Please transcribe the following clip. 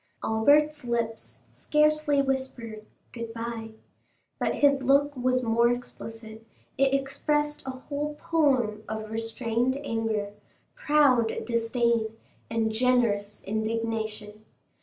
Albert's lips scarcely whispered "Good bye," but his look was more explicit; it expressed a whole poem of restrained anger, proud disdain, and generous indignation.